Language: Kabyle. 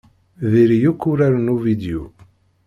Diri-yak uraren uvidyu.